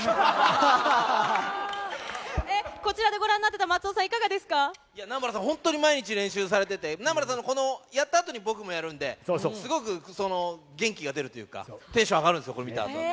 こちらでご覧になってた松尾南原さん、本当に毎日練習されてて、南原さんがこれやったあと、僕もやるんで、すごく元気が出るというか、テンション上がるんですよ、これ見たあとって。